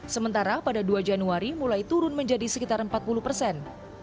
sementara pada dua januari mulai turun menjadi sekitar empat puluh persen